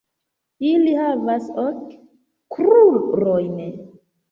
Ili havas ok krurojn.